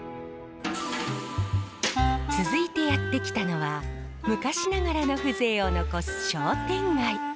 続いてやって来たのは昔ながらの風情を残す商店街。